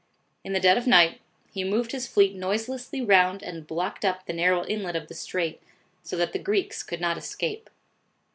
In the dead of night, he moved his fleet noiselessly round and blocked up the narrow inlet of the strait, so that the Greeks could not escape.